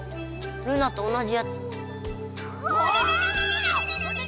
ルナと同じやつ！